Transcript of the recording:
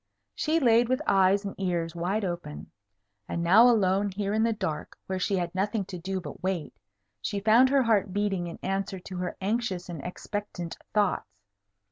She laid with eyes and ears wide open. And now alone here in the dark, where she had nothing to do but wait, she found her heart beating in answer to her anxious and expectant thoughts.